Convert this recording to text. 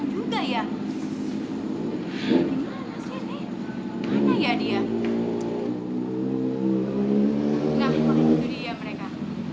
nah itu dia mereka